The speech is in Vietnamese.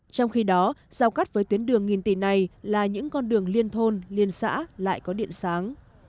trong khi đó giao cắt với tuyến đường nghìn tỷ này là những con đường liên thôn liên xã lại có điện sáng